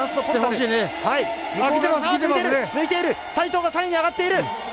齋藤が３位に上がっている！